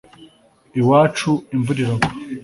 iwacu imvura iragwa